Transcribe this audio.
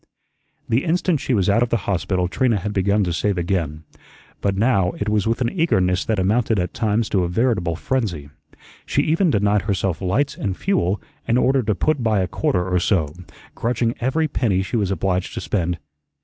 The instant she was out of the hospital Trina had begun to save again, but now it was with an eagerness that amounted at times to a veritable frenzy. She even denied herself lights and fuel in order to put by a quarter or so, grudging every penny she was obliged to spend.